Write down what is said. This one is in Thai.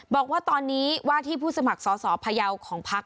บอกว่าตอนนี้ว่าที่ผู้สมัครสอสอพยาวของพัก